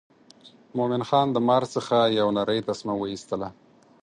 مومن خان د مار څخه یو نرۍ تسمه وایستله.